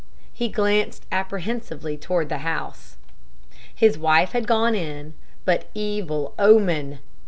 He glanced apprehensively toward the house. His wife had gone in; but, evil omen!